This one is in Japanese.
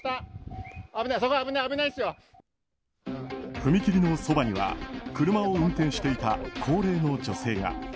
踏切のそばには車を運転していた高齢の女性が。